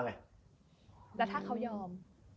แล้วถ้าเขายอม